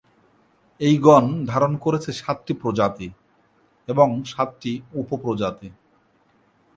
এই গণ ধারণ করেছে সাতটি প্রজাতি, এবং সাতটি উপপ্রজাতি।